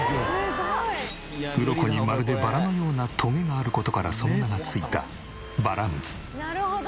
うろこにまるでバラのようなトゲがある事からその名が付いたバラムツ。